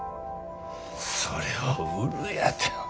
それを売るやてお前。